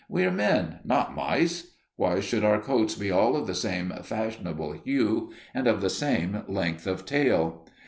We are men, not mice; why should our coats be all of the same fashionable hue and of the same length of tail?